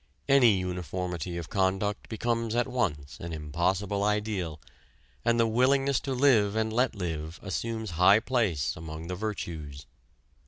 Any uniformity of conduct becomes at once an impossible ideal, and the willingness to live and let live assumes high place among the virtues.